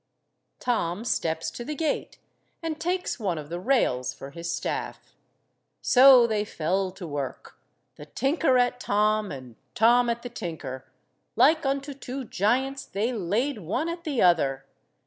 Tom steps to the gate, and takes one of the rails for his staff. So they fell to work. The tinker at Tom and Tom at the tinker, like unto two giants, they laid one at the other.